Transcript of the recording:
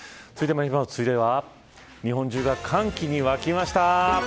続いては日本中が歓喜に沸きました。